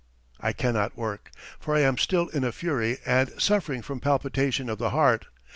I cannot work, for I am still in a fury and suffering from palpitation of the heart.